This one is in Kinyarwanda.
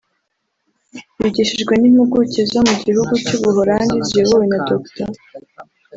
bigishijwe n’impuguke zo mu gihugu cy’u Buholandi ziyobowe na Dr